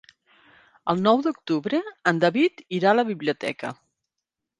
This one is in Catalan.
El nou d'octubre en David irà a la biblioteca.